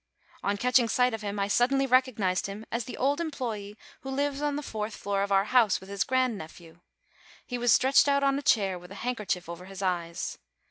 On catching sight of him, I sud denly recognized him as the old employee who lives on the fourth floor of our house with his grandnephew. He was stretched out on a chair, with a handkerchief over his eyes.